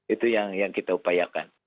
itu yang kita upayakan